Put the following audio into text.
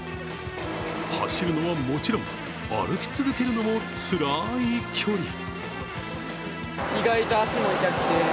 走るのはもちろん、歩き続けるのもつらい距離。